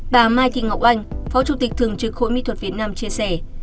bà mai thị ngọc anh phó chủ tịch thường trực hội mỹ thuật việt nam chia sẻ